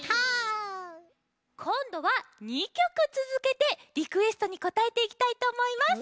こんどは２きょくつづけてリクエストにこたえていきたいとおもいます。